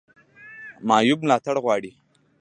معیوب ملاتړ غواړي